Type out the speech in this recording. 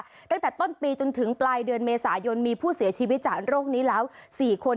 ตั้งแต่ต้นปีจนถึงปลายเดือนเมษายนมีผู้เสียชีวิตจากโรคนี้แล้ว๔คน